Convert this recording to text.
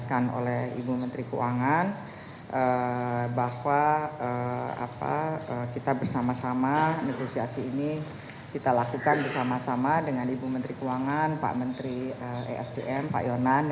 kementerian keuangan telah melakukan upaya upaya